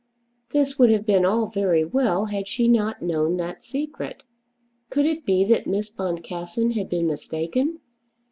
This would have been all very well had she not known that secret. Could it be that Miss Boncassen had been mistaken?